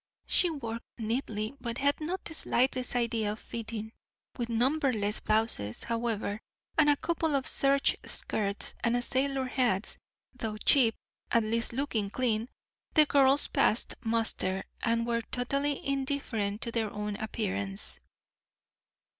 She worked neatly, but had not the slightest idea of fitting. With numberless blouses, however, and a couple of serge skirts, and sailor hats, though cheap, at least looking clean, the girls passed muster, and were totally indifferent to their own appearance.